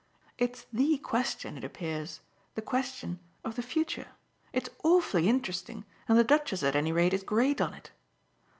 It's THE question, it appears the question of the future; it's awfully interesting and the Duchess at any rate is great on it.